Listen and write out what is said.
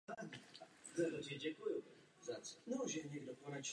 Substituční reakce probíhá v několika stupních.